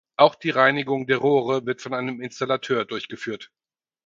Auch die Reinigung der Rohre wird von einem Installateur durchgeführt.